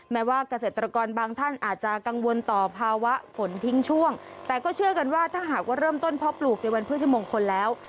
แม้ว่าเกษตรกรบางท่านอาจจะกังวลต่อภาวะฝนทิ้งช่วงแต่ก็เชื่อกันว่าถ้าหากว่าเริ่มต้นเพราะปลูกในวันพฤชมงคลแล้ว